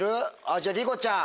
じゃありこちゃん。